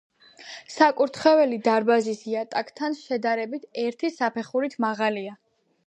საკურთხეველი დარბაზის იატაკთან შედარებით ერთი საფეხურით მაღალია.